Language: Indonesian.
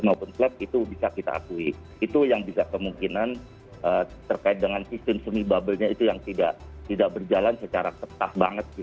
jadi itu yang bisa kita akui itu yang bisa kemungkinan terkait dengan sistem semi bubble nya itu yang tidak berjalan secara ketat banget